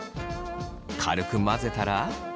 軽く混ぜたら。